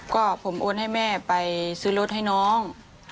ก็ผมโอนให้แม่ไปซื้อรถให้น้อง